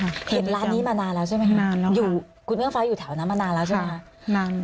เห็นร้านนี้มานานแล้วใช่ไหมคะอยู่คุณเนื่องฟ้าอยู่แถวนั้นมานานแล้วใช่ไหมคะ